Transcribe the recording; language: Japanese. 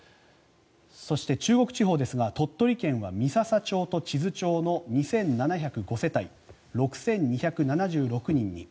そして中国地方ですが鳥取県は三朝町と智頭町の２７０５世帯６２７６人に。